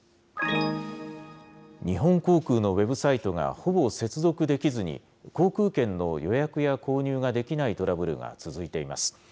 日本航空のウェブサイトが、ほぼ接続できずに航空券の予約や購入ができないトラブルが続いています。